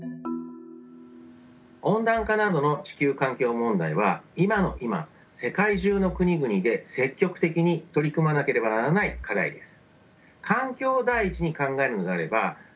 温暖化などの地球環境問題は今の今世界中の国々で積極的に取り組まなければならない課題です。